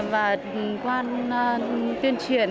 và quan tiên triển